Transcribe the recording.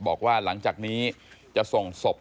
บอกว่าหลังจากนี้จะส่งศพ